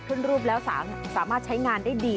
ขึ้นรูปแล้วสามารถใช้งานได้ดี